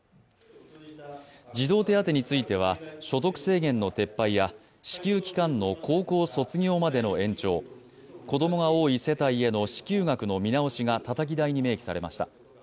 児童手当については、所得制限の撤廃や支給期間の高校卒業までの延長子供が多い世帯への支給額の見直しがたたき台に明記されました。